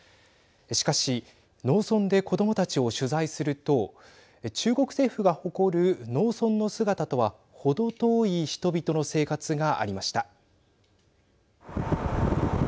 しかし農村で子どもたちを取材すると中国政府が誇る農村の姿とは程遠い人々の生活がありました。